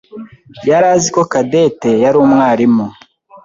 yari azi ko Cadette yari umwarimu.